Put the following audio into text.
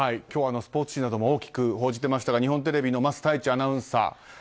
今日スポーツ紙なども大きく報じていましたが日本テレビの桝太一アナウンサー。